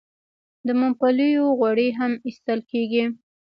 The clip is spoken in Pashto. د ممپلیو غوړي هم ایستل کیږي.